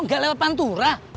nggak lewat panturah